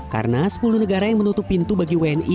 karena sepuluh negara yang menutup pintu bagi wni